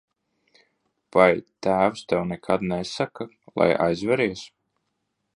Vai tēvs tev nekad nesaka, lai aizveries?